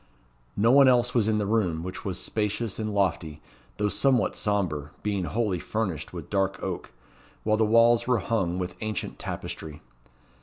No one else was in the room, which was spacious and lofty, though somewhat sombre, being wholly furnished with dark oak; while the walls were hung with ancient tapestry.